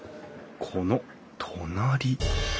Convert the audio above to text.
この隣！